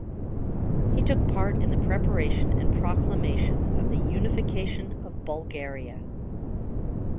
He took part in the preparation and proclamation of the Unification of Bulgaria.